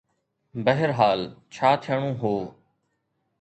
بهرحال، ڇا ٿيڻو هو.